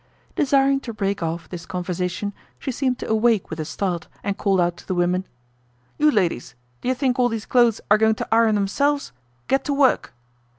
Desiring to break off this conversation, she seemed to awake with a start and called out to the women: "You ladies! Do you think all these clothes are going to iron themselves? Get to work!"